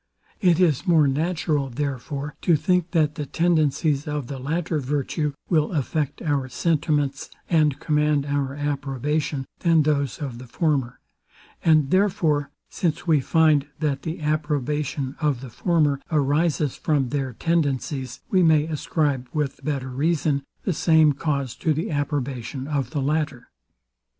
It is more natural, therefore, to think, that the tendencies of the latter virtue will affect our sentiments, and command our approbation, than those of the former; and therefore, since we find, that the approbation of the former arises from their tendencies, we may ascribe, with better reason, the same cause to the approbation of the latter.